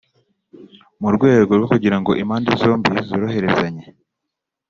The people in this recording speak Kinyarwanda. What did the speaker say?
mu rwego rwo kugira ngo impande zombi zoroherezanye